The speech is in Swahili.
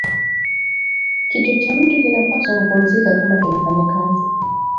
Kichwa kya mutu kinapashwa kupumuzika kama kina fanya kazi